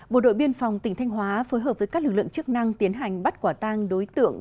bộ đội biên phòng tỉnh thanh hóa phối hợp với các lực lượng chức năng tiến hành bắt quả tang đối tượng